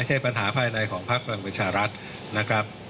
ไม่ใช่ปัญหาภายในของพักพลังประชารัฐนะครับ